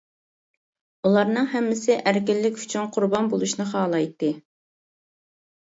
ئۇلارنىڭ ھەممىسى ئەركىنلىك ئۈچۈن قۇربان بولۇشنى خالايتتى.